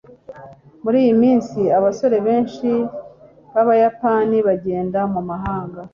muri iyi minsi, abasore benshi b'abayapani bagenda mu mahanga